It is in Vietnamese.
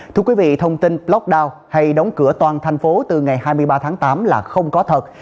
thưa quý vị thông tin blogdown hay đóng cửa toàn thành phố từ ngày hai mươi ba tháng tám là không có thật